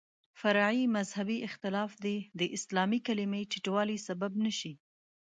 فرعي مذهبي اختلاف دې د اسلامي کلمې ټیټوالي سبب نه شي.